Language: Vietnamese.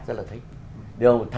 rất là thích